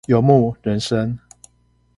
游牧人生